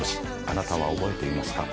あなたは覚えていますか？